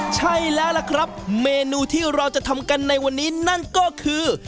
ใช่แล้วล่ะครับเมนูที่เราจะทำกันในวันนี้นั่นก็คือ